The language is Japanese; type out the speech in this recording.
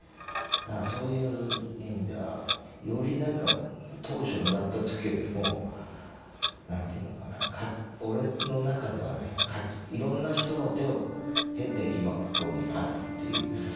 だからそういう意味ではよりなんか当初もらった時よりも何ていうのかな俺の中ではねいろんな人の手を経て今ここにあるっていう。